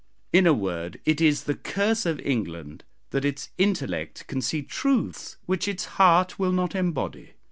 In a word, it is the curse of England that its intellect can see truths which its heart will not embody.